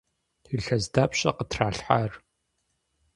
Илъэс дапщэ къытралъхьар?